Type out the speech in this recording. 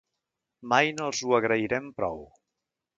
Mai no els ho agrairem prou.